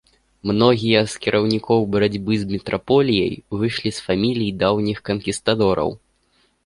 Многія з кіраўнікоў барацьбы з метраполіяй выйшлі з фамілій даўніх канкістадораў.